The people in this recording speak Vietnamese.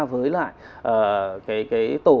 với lại cái tổ